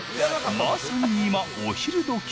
まさに今、お昼どき。